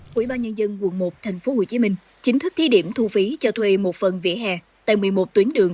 quỹ ba nhân dân quận một tp hcm chính thức thi điểm thu phí cho thuê một phần vỉa hè tại một mươi một tuyến đường